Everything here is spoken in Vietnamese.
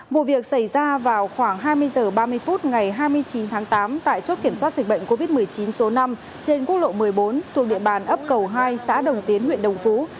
vụ việc xảy ra vào khoảng hai mươi h ba mươi phút ngày hai mươi chín tháng tám tại chốt kiểm soát dịch bệnh covid một mươi chín số năm trên quốc lộ một mươi bốn thuộc địa bàn ấp cầu hai xã đồng tiến huyện đồng phú